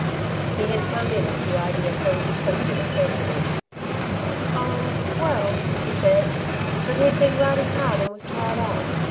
He had come in as the idea for a new question occurred to him. "Oh, well," she said, "but he'd been riding hard and was tired out.